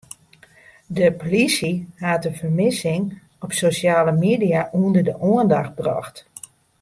De polysje hat de fermissing op sosjale media ûnder de oandacht brocht.